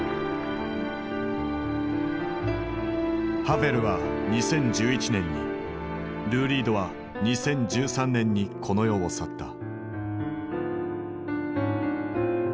ハヴェルは２０１１年にルー・リードは２０１３年にこの世を去った。